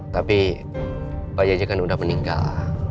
tapi pak jajah kan udah meninggal